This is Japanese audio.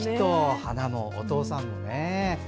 花もお父さんもね。